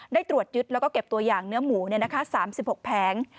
ตรวจยึดแล้วก็เก็บตัวอย่างเนื้อหมู๓๖แผง